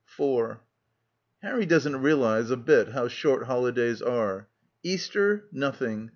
... 4 Harry doesn't realise a bit how short holidays are. Easter — nothing.